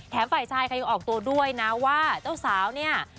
ฝ่ายชายค่ะยังออกตัวด้วยนะว่าเจ้าสาวเนี่ย